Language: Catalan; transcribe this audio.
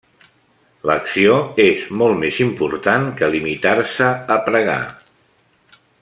L'acció és molt més important que limitar-se a pregar.